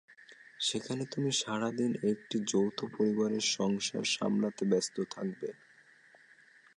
সেখানে তুমি সারা দিন একটি যৌথ পরিবারের সংসার সামলাতে ব্যস্ত থাকতে।